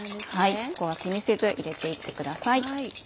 そこは気にせず入れて行ってください。